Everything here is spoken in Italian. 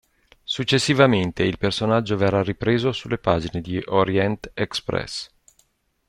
Successivamente il personaggio verrà ripreso sulle pagine di "Orient Express".